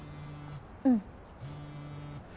うん。